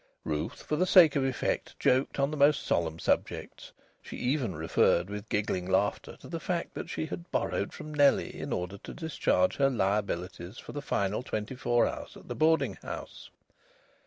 Ruth, for the sake of effect, joked on the most solemn subjects. She even referred with giggling laughter to the fact that she had borrowed from Nellie in order to discharge her liabilities for the final twenty four hours at the boarding house.